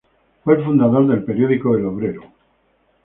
Fue el fundador del Periódico "El Obrero".